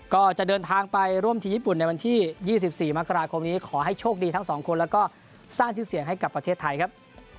ก็จะเดินทางไปร่วมทีมญี่ปุ่นในวันที่๒๔มกราคมนี้ขอให้โชคดีทั้งสองคนแล้วก็สร้างชื่อเสียงให้กับประเทศไทยครับ